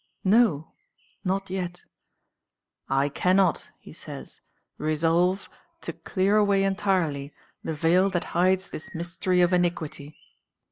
No! not yet. "I cannot," he says, "resolve to clear away entirely the veil that hides this mystery of iniquity."